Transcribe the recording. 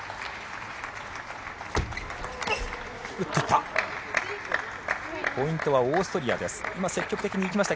打っていった。